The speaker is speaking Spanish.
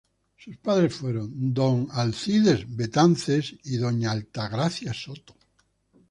Sus padres fueron don Alcides Betances y doña Altagracia Soto.